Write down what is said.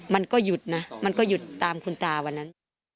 มันก็หยุดนะมันก็หยุดตามคุณตาวันนั้น